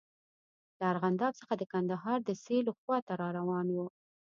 له ارغنداب څخه د کندهار د سیلو خواته را روان وو.